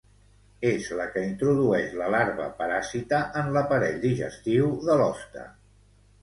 És la que introdueix la larva paràsita en l'aparell digestiu de l'hoste.